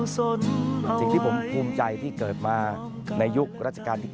สิ่งที่ผมภูมิใจที่เกิดมาในยุครัชกาลที่๙